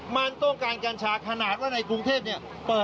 มันต้องการกัญชาขนาดอย่างไร